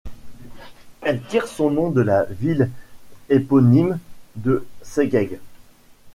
Elle tire son nom de la ville éponyme de Segeg.